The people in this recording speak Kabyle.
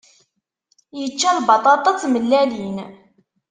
Yečča lbaṭaṭa d tmellalin.